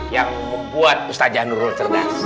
yang membuat ustaz janurul cerdas